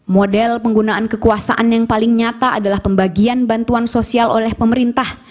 model penggunaan kekuasaan yang paling nyata adalah pembagian bantuan sosial oleh pemerintah